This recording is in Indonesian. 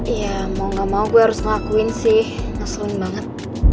iya mau gak mau gue harus ngelakuin sih ngeseling banget